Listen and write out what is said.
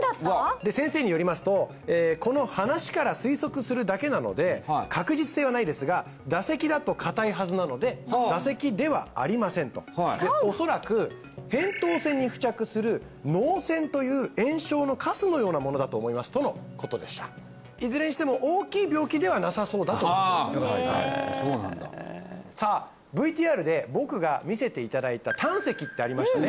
先生によりますとこの話から推測するだけなので確実性はないですが恐らくへんとう腺に付着する膿栓という炎症のカスのようなものだと思いますとのことでしたいずれにしても大きい病気ではなさそうだとはいはいそうなんださあＶＴＲで僕が見せていただいた胆石ってありましたね